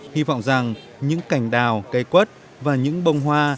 hy vọng rằng những cành đào cây quất và những bông hoa